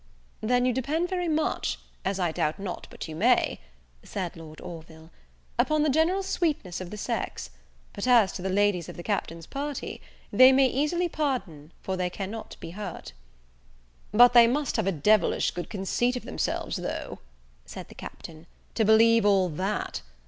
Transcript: "Then you depend very much, as I doubt not but you may," said Lord Orville, "upon the general sweetness of the sex; but as to the ladies of the Captain's party, they may easily pardon, for they cannot be hurt." "But they must have a devilish good conceit of themselves, though," said the Captain, "to believe all that.